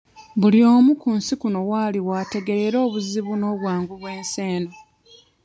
Buli omu ku nsi kuno w'ali w'ategeerera obuzibu n'obwangu bw'ensi eno.